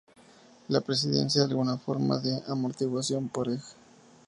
La presencia de alguna forma de amortiguación, por ej.